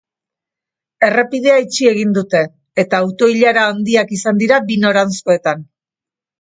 Errepidea itxi egin dute, eta auto-ilara handiak izan dira bi noranzkoetan.